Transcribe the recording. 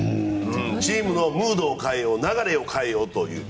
チームのムードを変えよう流れを変えようという。